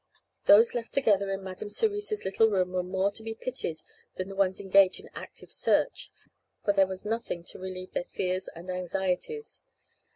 Those left together in Madam Cerise's little room were more to be pitied than the ones engaged in active search, for there was nothing to relieve their fears and anxieties.